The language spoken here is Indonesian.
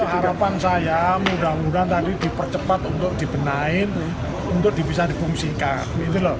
harapan saya mudah mudahan tadi dipercepat untuk dibenahin untuk bisa difungsikan